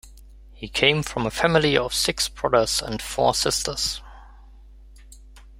He came from a family of six brothers and four sisters.